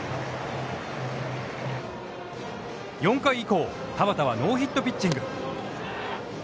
４回以降、田端はノーヒットピッチング。